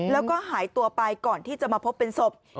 แล้วก็หายตัวไปก่อนที่จะมาพบเป็นศพ